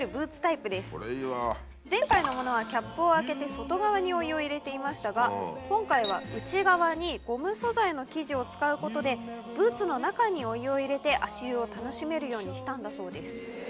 前回のものはキャップを開けて外側にお湯を入れていましたが今回は内側にゴム素材の生地を使うことでブーツの中にお湯を入れて足湯を楽しめるようにしたんだそうです。